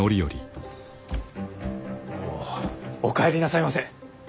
お帰りなさいませ。